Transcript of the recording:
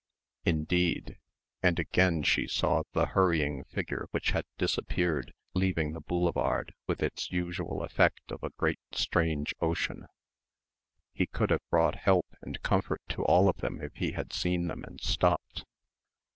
... indeed and again she saw the hurrying figure which had disappeared leaving the boulevard with its usual effect of a great strange ocean he could have brought help and comfort to all of them if he had seen them and stopped.